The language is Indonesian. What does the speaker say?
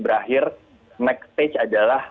berakhir next stage adalah